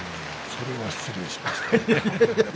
それは失礼しました。